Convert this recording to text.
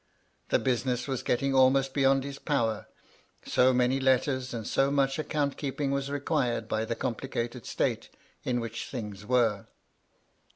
The business was getting almost beyond his power, so many letters and so much account keeping was required by the compli cated state in which things were.